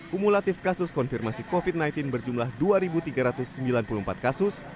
kumulatif kasus konfirmasi covid sembilan belas berjumlah dua tiga ratus sembilan puluh empat kasus